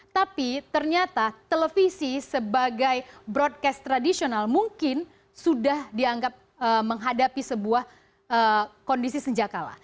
tapi ternyata televisi sebagai broadcast tradisional mungkin sudah dianggap menghadapi sebuah kondisi senjakala